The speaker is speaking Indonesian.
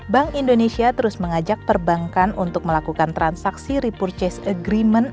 bank indonesia terus mengajak perbankan untuk melakukan transaksi repurchase agreement